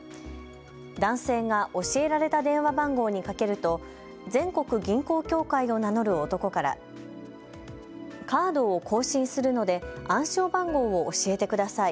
男性が教えられた電話番号にかけると全国銀行協会を名乗る男からカードを更新するので暗証番号を教えてください。